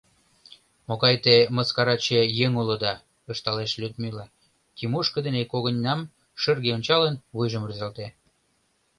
— Могай те мыскараче еҥ улыда! — ышталеш Людмила, Тимошка дене когыньнам шырге ончалын, вуйжым рӱзалта.